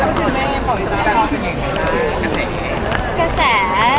รู้สึกว่าแม่ของจังกรรมเป็นยังไงบ้าง